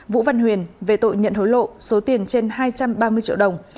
vũ văn huyền về tội nhận hối lộ số tiền trên hai trăm ba mươi triệu đồng